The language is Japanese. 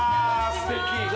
すてき。